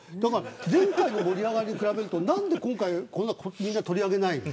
前回の盛り上がりに比べると何で今回みんな取り上げないの。